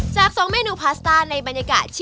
จาก๒เมนูพาสต้าในบรรยากาศ